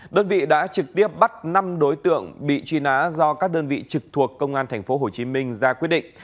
đơn vị đã trực tiếp bắt năm đối tượng bị truy nã do các đơn vị trực thuộc công an tp hcm ra quyết định